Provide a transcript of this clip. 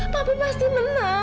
papi pasti menang